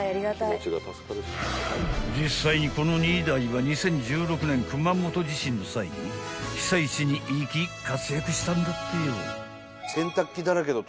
［実際にこの２台は２０１６年熊本地震の際に被災地に行き活躍したんだってよ］